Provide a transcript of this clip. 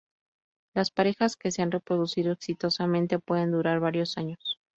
Las parejas que se han reproducido exitosamente pueden durar varios años.